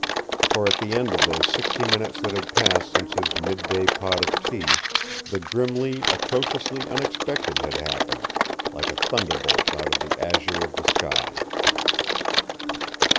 For at the end of those sixty minutes that had passed since his midday pot of tea, the grimly, atrociously unexpected had happened, like a thunderbolt out of the azure of the sky.